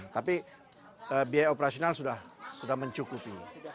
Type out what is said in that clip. tapi biaya operasional sudah mencukupi